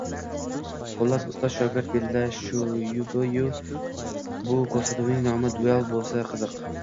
Xullas, ustoz-shogird bellashsayu, bu koʻrsatuvning nomi “Duel” boʻlsa qiziq.